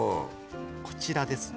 こちらですね。